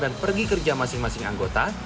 dan pergi kerja masing masing anggota